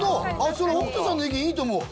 その北斗さんの意見いいと思う。